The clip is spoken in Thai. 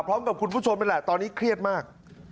พร้อมกับคุณผู้ชมกันแหละตอนนี้เครียดมาก